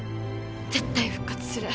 絶対復活する